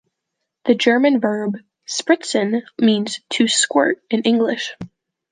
The German verb "spritzen" means "to squirt" in English.